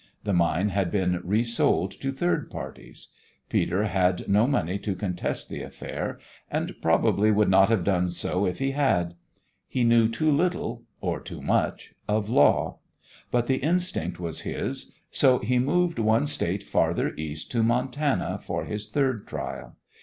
The mine had been resold to third parties. Peter had no money to contest the affair; and probably would not have done so if he had. He knew too little or too much of law; but the instinct was his, so he moved one State farther east to Montana for his third trial.